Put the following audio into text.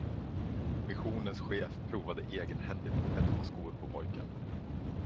Missionens chef provade egenhändigt ett par skor på pojken.